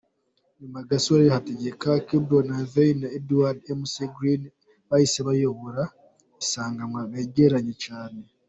Nyuma Gasore Hategeka, Kibrom Haylay na Edward Mc Greene bahise bayobora isiganwa begeranye cyane.